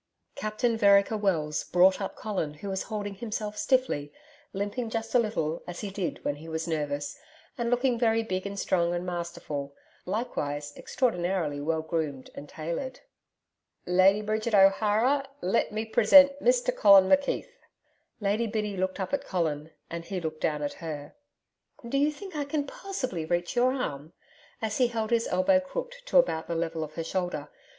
Captain Vereker Wells brought up Colin who was holding himself stiffly, limping just a little, as he did when he was nervous, and looking very big and strong and masterful likewise extraordinarily well groomed and tailored. 'Lady Bridget O'Hara, let me present Mr Colin McKeith.' Lady Biddy looked up at Colin and he looked down at her. 'Do you think I can POSSIBLY reach your arm?' as he held his elbow crooked to about the level of her shoulder.